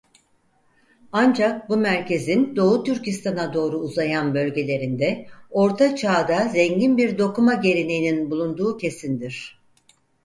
Ancak bu merkezin Doğu Türkistan'a doğru uzayan bölgelerinde Orta Çağ'da zengin bir dokuma geleneğinin bulunduğu kesindir.